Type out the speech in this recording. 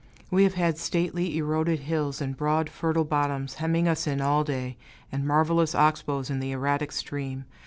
We have had stately, eroded hills, and broad, fertile bottoms, hemming us in all day, and marvelous ox bows in the erratic stream.